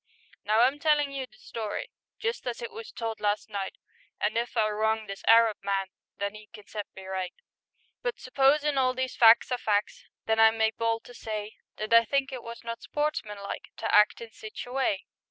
Now I'm tellin' you the story Just as it was told last night, And if I wrong this Arab man Then 'e can set me right; But s'posin' all these fac's are fac's, Then I make bold to say That I think it was not sportsmanlike To act in sich a way.